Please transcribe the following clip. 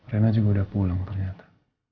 rena juga udah pulang ternyata